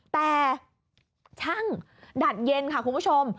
แต่ช่างดัดเย็นค่ะคุณผู้ชม